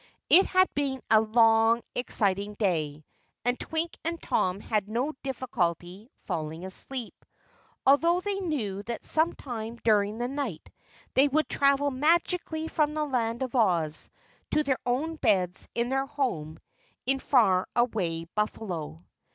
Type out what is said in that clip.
It had been a long, exciting day, and Twink and Tom had no difficulty falling asleep, although they knew that sometime during the night they would travel magically from the Land of Oz to their own beds in their home in far away Buffalo.